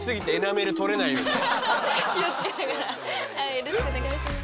よろしくお願いします。